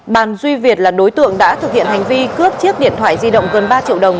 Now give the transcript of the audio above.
bàn duy việt là đối tượng đã thực hiện hành vi cướp chiếc điện thoại di động gần ba triệu đồng